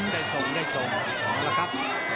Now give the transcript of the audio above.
ได้ส่งได้ส่งแล้วครับ